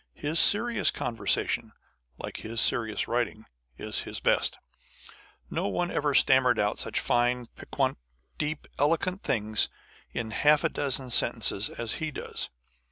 His serious conversation, like his serious writing, is his best. No one ever stammered out such fine, piquant, deep, eloquent things in half a dozen half sentences as he does.